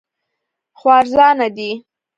خو ارزانه دی